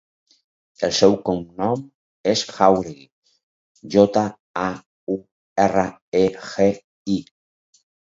El seu cognom és Jauregi: jota, a, u, erra, e, ge, i.